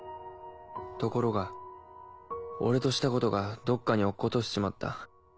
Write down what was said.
ところが俺としたことがどっかに落っことしちまった。